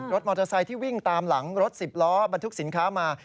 มอเตอร์ไซค์ที่วิ่งตามหลังรถสิบล้อบรรทุกสินค้ามา